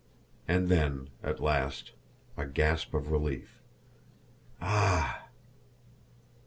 And then, at last a gasp of relief: "Ah!"